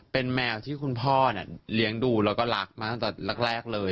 เป็นแมวที่คุณพ่อนี่เลี้ยงดูเราก็รักมาตั้งแต่กจากแรกเลย